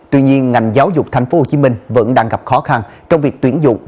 tuy nhiên ngành giáo dục tp hcm vẫn đang gặp khó khăn trong việc tuyển dụng